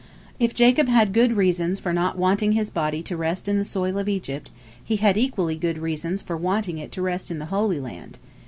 If Jacob had good reasons for not wanting his body to rest in the soil of Egypt, he had equally good reasons for wanting it to rest in the Holy Land.